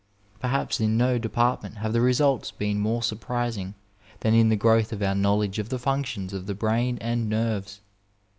Perhaps in no department liave the results been more surprising than in the growth of our knowledge of the functions of the brain and nerves.